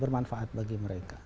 bermanfaat bagi mereka